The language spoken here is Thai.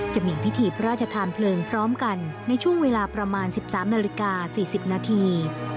จะมีพิธีพระราชทานเพลิงพร้อมกันในช่วงเวลาประมาณ๑๓นาฬิกา๔๐นาที